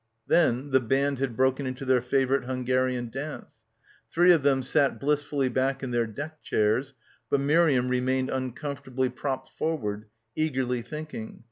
Then the band had broken into their favourite Hungarian dance. Three of them sat blissfully back in their deck chairs, but Miriam remained uncomfortably propped forward, eagerly thinking.